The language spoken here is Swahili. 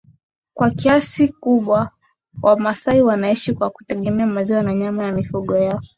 Kwa kiasi kubwa wamasai wanaishi kwa kutegemea maziwa na nyama ya mifugo yao